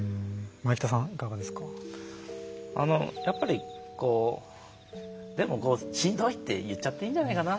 やっぱり、しんどいって言っちゃっていいんじゃないかな。